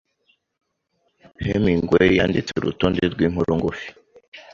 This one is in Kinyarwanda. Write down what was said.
Hemingway yanditse urutonde rw'inkuru ngufi